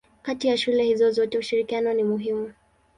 Kati ya shule hizo zote ushirikiano ni muhimu.